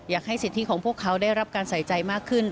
สิทธิของพวกเขาได้รับการใส่ใจมากขึ้น